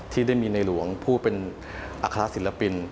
ที่ได้มีในหลวงผู้เป็นอัครศิลปิน